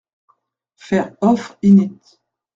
Faire offres init.